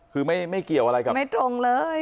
คือไม่เกี่ยวอะไรกับไม่ตรงเลย